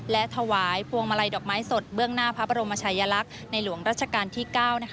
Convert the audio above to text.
และถวายพวงมาลัยดอกไม้สดเบื้องหน้าพระบรมชายลักษณ์ในหลวงรัชกาลที่๙